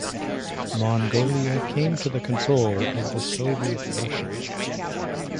Mongolia came to the control of the Soviet Russia.